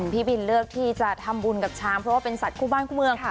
พี่บินเลือกที่จะทำบุญกับช้างเพราะว่าเป็นสัตว์คู่บ้านคู่เมือง